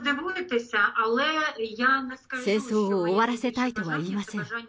戦争を終わらせたいとは言いません。